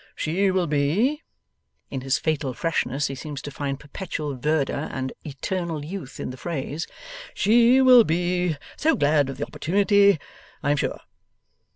She will be,' in his fatal freshness he seems to find perpetual verdure and eternal youth in the phrase, 'she will be so glad of the opportunity, I am sure!